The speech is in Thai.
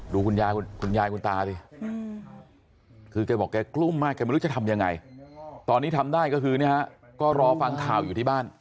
คุณยายคุณยายคุณตาสิคือแกบอกแกกลุ้มมากแกไม่รู้จะทำยังไงตอนนี้ทำได้ก็คือเนี่ยฮะก็รอฟังข่าวอยู่ที่บ้าน